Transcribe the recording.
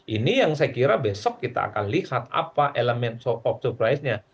ini yang saya kira besok kita akan lihat apa elemen of surprise nya